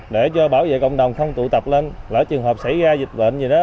để cho bảo vệ cộng đồng không tụ tập lên lỡ trường hợp xảy ra dịch bệnh gì đó